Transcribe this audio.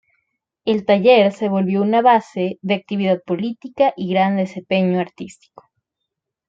El taller se volvió una base de actividad política y gran desempeño artístico.